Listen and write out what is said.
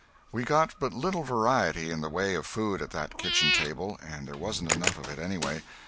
We got but little variety in the way of food at that kitchen table, and there wasn't enough of it anyway.